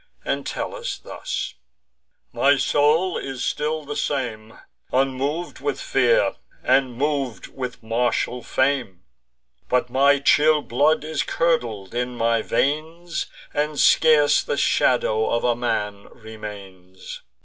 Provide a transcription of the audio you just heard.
Entellus, thus: "My soul is still the same, Unmov'd with fear, and mov'd with martial fame; But my chill blood is curdled in my veins, And scarce the shadow of a man remains.